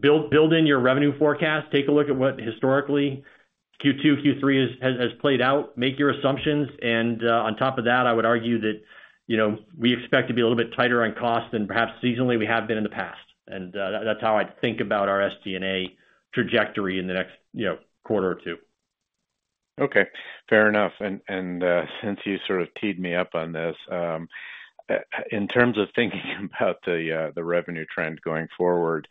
build in your revenue forecast, take a look at what historically Q2, Q3 has played out, make your assumptions, and on top of that, I would argue that, you know, we expect to be a little bit tighter on cost than perhaps seasonally we have been in the past. That's how I think about our SG&A trajectory in the next, you know, quarter or two.
Okay, fair enough. Since you sort of teed me up on this, in terms of thinking about the revenue trend going forward,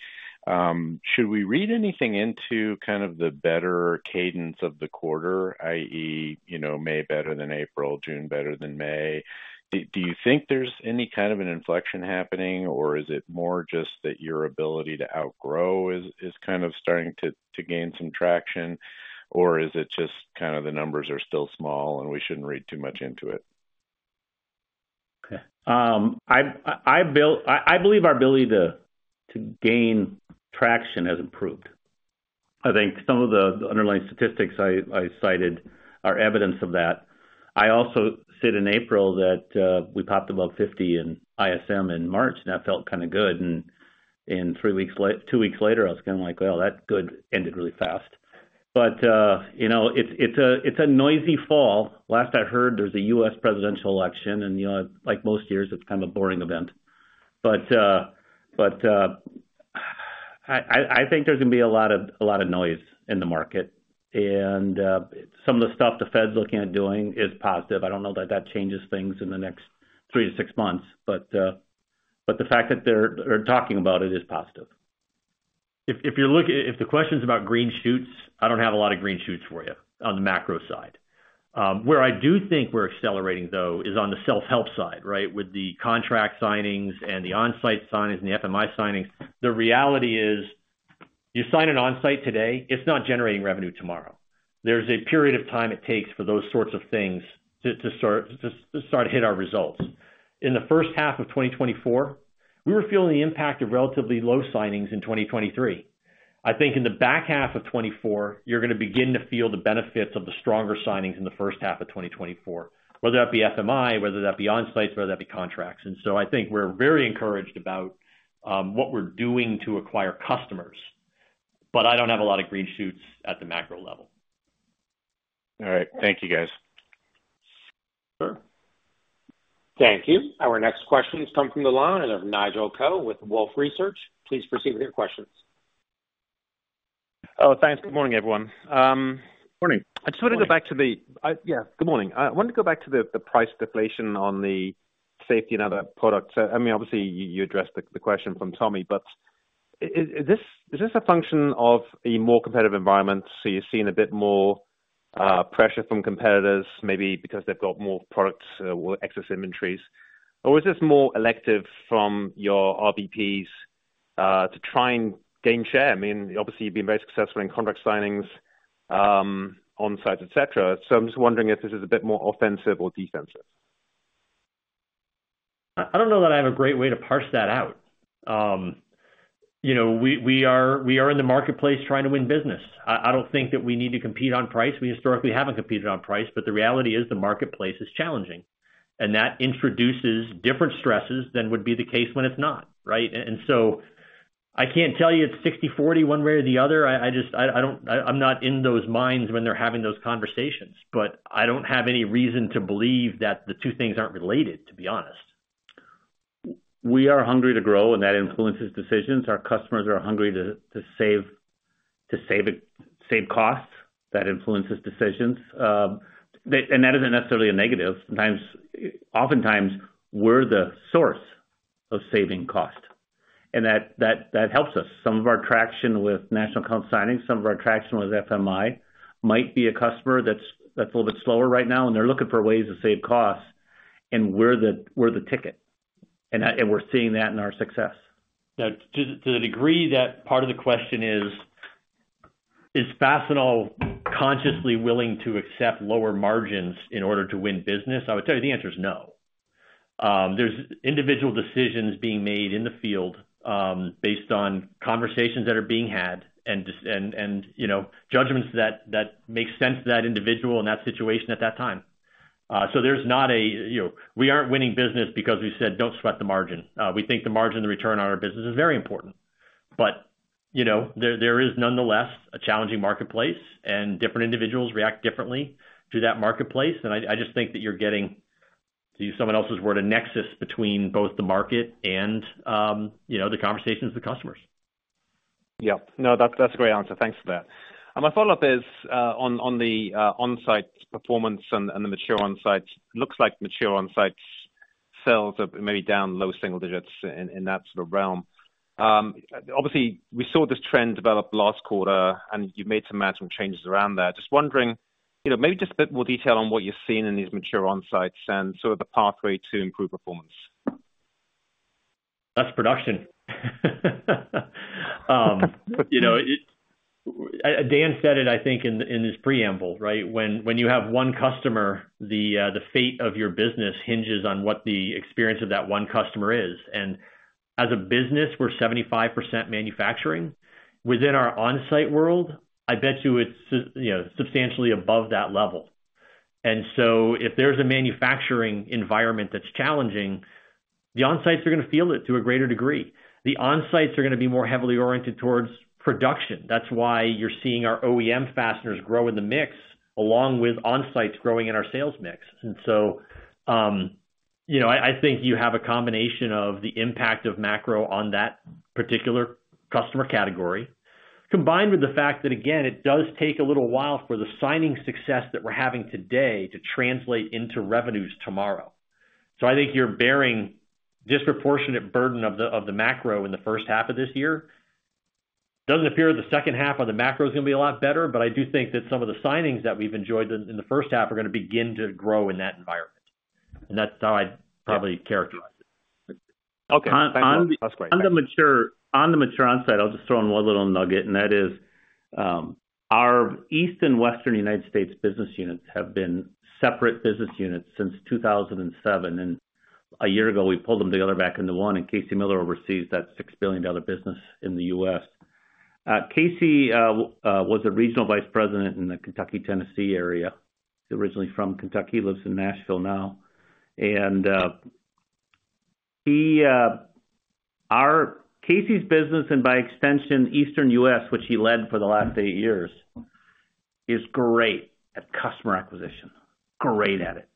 should we read anything into kind of the better cadence of the quarter, i.e., you know, May better than April, June better than May? Do you think there's any kind of an inflection happening, or is it more just that your ability to outgrow is kind of starting to gain some traction, or is it just kind of the numbers are still small, and we shouldn't read too much into it?...
Okay. I believe our ability to gain traction has improved. I think some of the underlying statistics I cited are evidence of that. I also said in April that we popped above 50 in ISM in March, and that felt kind of good. And in two weeks later, I was kind of like, "Well, that good ended really fast." But you know, it's a noisy fall. Last I heard, there's a U.S. presidential election, and you know, like most years, it's kind of a boring event. But I think there's gonna be a lot of noise in the market. And some of the stuff the Fed's looking at doing is positive. I don't know that that changes things in the next three to six months, but, but the fact that they're, they're talking about it is positive. If, if you're looking, if the question's about green shoots, I don't have a lot of green shoots for you on the macro side. Where I do think we're accelerating, though, is on the self-help side, right? With the contract signings and the Onsite signings and the FMI signings. The reality is, you sign an Onsite today, it's not generating revenue tomorrow. There's a period of time it takes for those sorts of things to start to hit our results. In the first half of 2024, we were feeling the impact of relatively low signings in 2023. I think in the back half of 2024, you're gonna begin to feel the benefits of the stronger signings in the first half of 2024, whether that be FMI, whether that be Onsites, whether that be contracts. And so I think we're very encouraged about what we're doing to acquire customers, but I don't have a lot of green shoots at the macro level.
All right. Thank you, guys.
Sure. Thank you. Our next question has come from the line of Nigel Coe with Wolfe Research. Please proceed with your questions.
Oh, thanks. Good morning, everyone.
Morning.
Good morning. I wanted to go back to the price deflation on the safety and other products. I mean, obviously, you addressed the question from Tommy, but is this a function of a more competitive environment? So you're seeing a bit more pressure from competitors, maybe because they've got more products or excess inventories, or is this more elective from your RVPs to try and gain share? I mean, obviously, you've been very successful in contract signings, Onsites, et cetera. So I'm just wondering if this is a bit more offensive or defensive.
I don't know that I have a great way to parse that out. You know, we are in the marketplace trying to win business. I don't think that we need to compete on price. We historically haven't competed on price, but the reality is, the marketplace is challenging, and that introduces different stresses than would be the case when it's not, right? So I can't tell you it's 60/40 one way or the other. I just, I don't, I'm not in those minds when they're having those conversations, but I don't have any reason to believe that the two things aren't related, to be honest.
We are hungry to grow, and that influences decisions. Our customers are hungry to save costs. That influences decisions. They, and that isn't necessarily a negative. Sometimes, oftentimes, we're the source of saving cost, and that helps us. Some of our traction with national account signing, some of our traction with FMI, might be a customer that's a little bit slower right now, and they're looking for ways to save costs, and we're the ticket. And that, and we're seeing that in our success.
Now, to the degree that part of the question is: Is Fastenal consciously willing to accept lower margins in order to win business? I would tell you the answer is no. There's individual decisions being made in the field, based on conversations that are being had and just, you know, judgments that make sense to that individual in that situation at that time. So there's not a, you know, we aren't winning business because we said, "Don't sweat the margin." We think the margin, the return on our business is very important. But, you know, there is nonetheless a challenging marketplace, and different individuals react differently to that marketplace. And I just think that you're getting, to use someone else's word, a nexus between both the market and, you know, the conversations with customers.
Yeah. No, that's, that's a great answer. Thanks for that. And my follow-up is, on the Onsite performance and the mature Onsites. Looks like mature Onsites sales are maybe down low single digits in that sort of realm. Obviously, we saw this trend develop last quarter, and you made some gradual changes around there. Just wondering, you know, maybe just a bit more detail on what you're seeing in these mature Onsites and sort of the pathway to improve performance.
Less production. You know, it... Dan said it, I think, in his preamble, right? When you have one customer, the fate of your business hinges on what the experience of that one customer is. And as a business, we're 75% manufacturing. Within our Onsite world, I bet you it's you know, substantially above that level. And so if there's a manufacturing environment that's challenging, the Onsites are gonna feel it to a greater degree. The Onsites are gonna be more heavily oriented towards production. That's why you're seeing our OEM fasteners grow in the mix, along with Onsites growing in our sales mix. And so, you know, I think you have a combination of the impact of macro on that particular customer category, combined with the fact that, again, it does take a little while for the signing success that we're having today to translate into revenues tomorrow. So I think you're bearing disproportionate burden of the macro in the first half of this year. Doesn't appear the second half of the macro is gonna be a lot better, but I do think that some of the signings that we've enjoyed in the first half are gonna begin to grow in that environment, and that's how I'd probably characterize it.
Okay, on the mature Onsite, I'll just throw in one little nugget, and that is, our East and Western United States business units have been separate business units since 2007, and a year ago, we pulled them together back into one, and Casey Miller oversees that $6 billion business in the US. Casey was a regional vice president in the Kentucky, Tennessee area. He's originally from Kentucky, lives in Nashville now. And our Casey's business, and by extension, Eastern US, which he led for the last eight years, is great at customer acquisition. Great at it.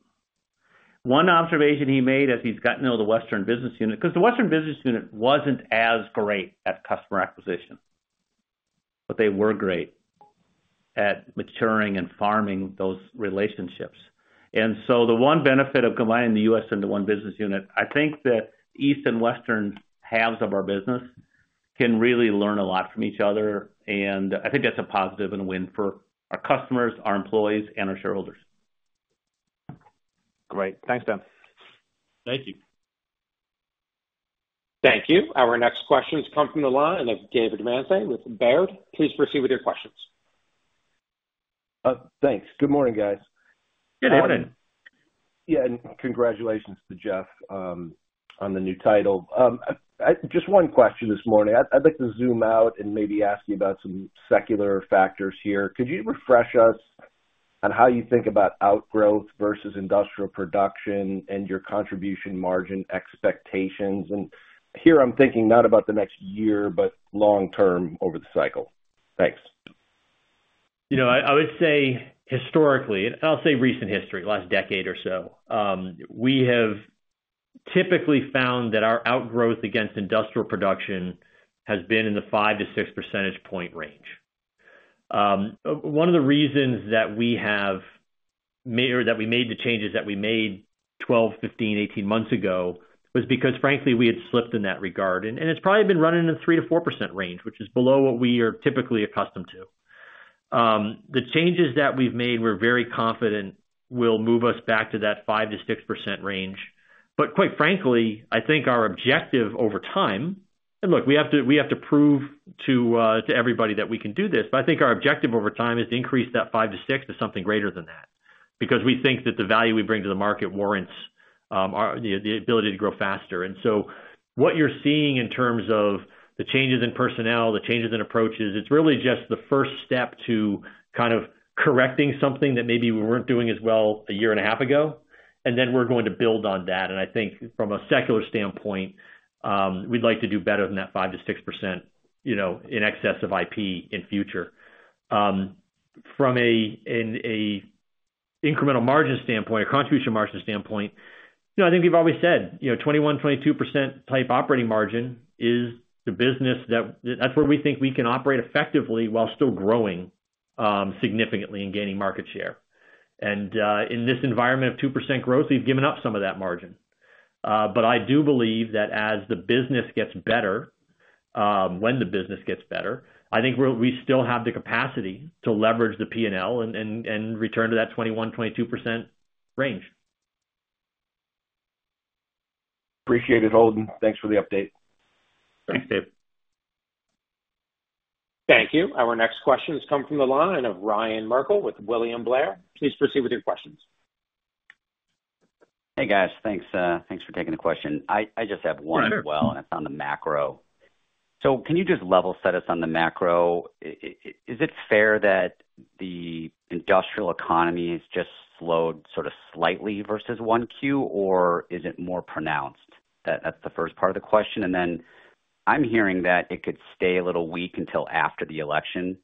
One observation he made as he's gotten to know the Western business unit, 'cause the Western business unit wasn't as great at customer acquisition, but they were great at maturing and farming those relationships. And so the one benefit of combining the U.S. into one business unit, I think that eastern and western halves of our business can really learn a lot from each other, and I think that's a positive and a win for our customers, our employees, and our shareholders. Great. Thanks, Ben. Thank you.
Thank you. Our next question has come from the line of David Manthey, with Baird. Please proceed with your questions.
Thanks. Good morning, guys.
Good morning.
Yeah, and congratulations to Jeff on the new title. Just one question this morning. I'd like to zoom out and maybe ask you about some secular factors here. Could you refresh us on how you think about outgrowth versus industrial production and your contribution margin expectations? And here, I'm thinking not about the next year, but long term over the cycle. Thanks.
You know, I would say historically, and I'll say recent history, last decade or so, we have typically found that our outgrowth against industrial production has been in the 5-6 percentage point range. One of the reasons that we have or that we made the changes that we made 12, 15, 18 months ago, was because, frankly, we had slipped in that regard. And it's probably been running in a 3%-4% range, which is below what we are typically accustomed to. The changes that we've made, we're very confident will move us back to that 5%-6% range. But quite frankly, I think our objective over time... Look, we have to prove to everybody that we can do this, but I think our objective over time is to increase that 5-6 to something greater than that, because we think that the value we bring to the market warrants our, the, the ability to grow faster. And so what you're seeing in terms of the changes in personnel, the changes in approaches, it's really just the first step to kind of correcting something that maybe we weren't doing as well a year and a half ago, and then we're going to build on that. And I think from a secular standpoint, we'd like to do better than that 5%-6%, you know, in excess of IP in future. From an incremental margin standpoint or contribution margin standpoint, you know, I think we've always said, you know, 21%-22% type operating margin is the business that, that's where we think we can operate effectively while still growing significantly and gaining market share. And in this environment of 2% growth, we've given up some of that margin. But I do believe that as the business gets better, when the business gets better, I think we're, we still have the capacity to leverage the P&L and return to that 21%-22% range.
Appreciate it, Holden. Thanks for the update.
Thanks, Dave.
Thank you. Our next question has come from the line of Ryan Merkel with William Blair. Please proceed with your questions.
Hey, guys. Thanks, thanks for taking the question. I just have one as well-
Sure.
And it's on the macro. So can you just level set us on the macro? Is it fair that the industrial economy has just slowed sort of slightly versus 1Q, or is it more pronounced? That's the first part of the question. And then I'm hearing that it could stay a little weak until after the election.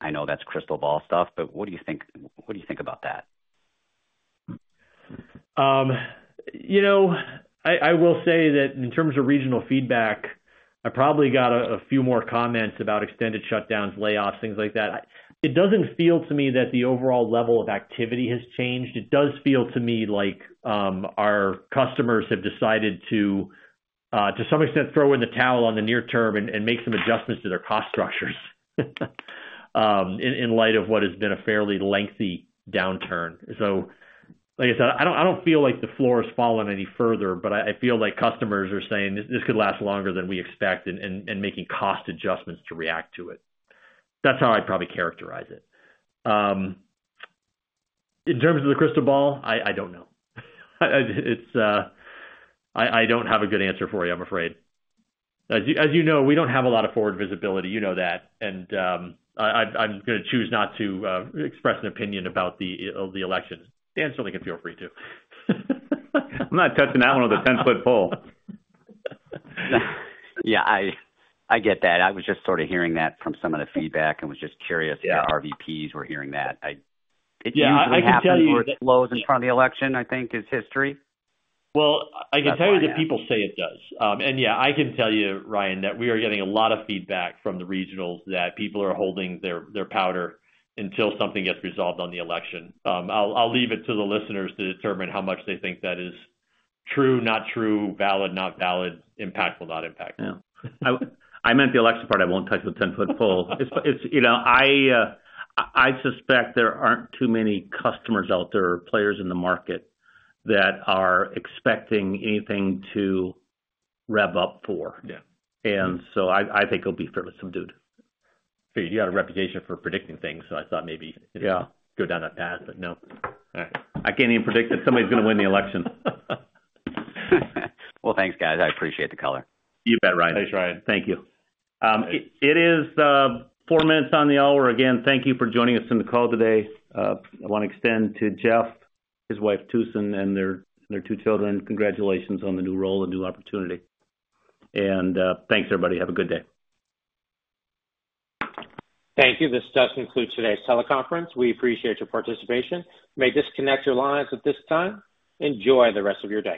I know that's crystal ball stuff, but what do you think, what do you think about that?
You know, I will say that in terms of regional feedback, I probably got a few more comments about extended shutdowns, layoffs, things like that. It doesn't feel to me that the overall level of activity has changed. It does feel to me like our customers have decided to some extent throw in the towel on the near term and make some adjustments to their cost structures in light of what has been a fairly lengthy downturn. So like I said, I don't feel like the floor has fallen any further, but I feel like customers are saying, "This could last longer than we expect," and making cost adjustments to react to it. That's how I'd probably characterize it. In terms of the crystal ball, I don't know. It's... I don't have a good answer for you, I'm afraid. As you know, we don't have a lot of forward visibility, you know that, and I'm gonna choose not to express an opinion about the election. Dan certainly can feel free to.
I'm not touching that one with a ten-foot pole.
Yeah, I get that. I was just sort of hearing that from some of the feedback and was just curious-
Yeah...
if our VPs were hearing that. I-
Yeah, I can tell you-
It usually happens, where it slows in front of the election, I think, is history.
Well, I can tell you that people say it does. Yeah, I can tell you, Ryan, that we are getting a lot of feedback from the regionals that people are holding their powder until something gets resolved on the election. I'll leave it to the listeners to determine how much they think that is true, not true, valid, not valid, impactful, not impactful.
Yeah. I, I meant the election part. I won't touch the ten-foot pole. It's, it's, you know, I, I suspect there aren't too many customers out there or players in the market that are expecting anything to rev up for.
Yeah.
I think it'll be fairly subdued.
So you got a reputation for predicting things, so I thought maybe-
Yeah...
go down that path, but no.
I can't even predict if somebody's gonna win the election.
Well, thanks, guys. I appreciate the color.
You bet, Ryan.
Thanks, Ryan.
Thank you. It is 4 minutes on the hour. Again, thank you for joining us in the call today. I wanna extend to Jeff, his wife, Susan, and their 2 children, congratulations on the new role and new opportunity. Thanks, everybody. Have a good day.
Thank you. This does conclude today's teleconference. We appreciate your participation. You may disconnect your lines at this time. Enjoy the rest of your day.